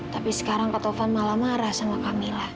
tapi sekarang kak tovan malah marah sama kamila